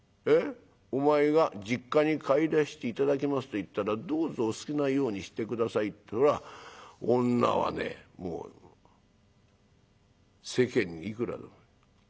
お前が実家に帰らして頂きますって言ったらどうぞお好きなようにして下さいって女はねもう世間にいくらでも。